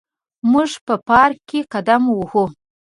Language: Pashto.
موږ په پارک کې قدم وهو.